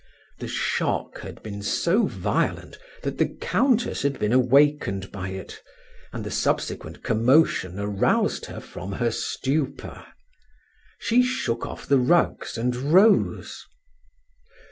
The shock had been so violent that the Countess had been awakened by it, and the subsequent commotion aroused her from her stupor. She shook off the rugs and rose.